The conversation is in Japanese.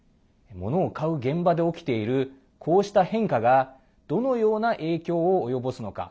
物を買う現場で起きているこうした変化がどのような影響を及ぼすのか。